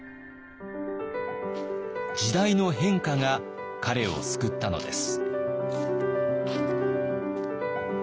時代の変化が彼を救ったのです。